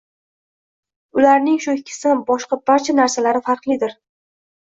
Ularning shu ikkisidan boshqa barcha narsalari farqlidir.